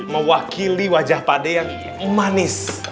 mewakili wajah pak d yang manis